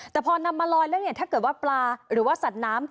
แต่พอนำมาลอยแล้วเนี่ยถ้าเกิดว่าปลาหรือว่าสัตว์น้ำ